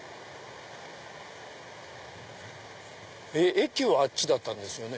駅はあっちだったんですよね。